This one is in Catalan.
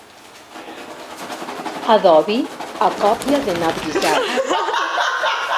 Adobi a còpia de na Brizard.